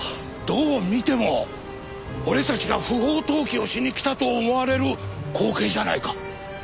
どう見ても俺たちが不法投棄をしに来たと思われる光景じゃないか。